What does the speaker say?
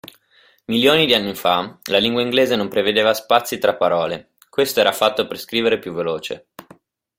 Milioni di anni fa, la lingua inglese non prevedeva spazi tra parole, questo era fatto per scrivere più veloce.